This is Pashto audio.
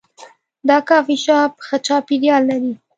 دا کافي شاپ ښه چاپیریال لري.